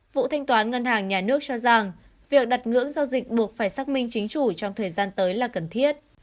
vụ thanh toán ngân hàng nhà nước cho rằng việc đặt ngưỡng giao dịch buộc phải xác minh chính chủ trong thời gian tới là cần thiết